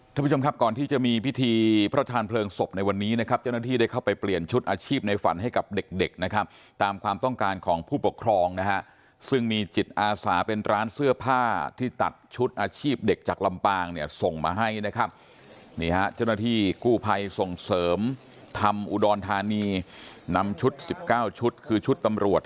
ท่านผู้ชมครับก่อนที่จะมีพิธีพระทานเพลิงศพในวันนี้นะครับเจ้าหน้าที่ได้เข้าไปเปลี่ยนชุดอาชีพในฝันให้กับเด็กเด็กนะครับตามความต้องการของผู้ปกครองนะฮะซึ่งมีจิตอาสาเป็นร้านเสื้อผ้าที่ตัดชุดอาชีพเด็กจากลำปางเนี่ยส่งมาให้นะครับนี่ฮะเจ้าหน้าที่กู้ภัยส่งเสริมธรรมอุดรธานีนำชุดสิบเก้าชุดคือชุดตำรวจ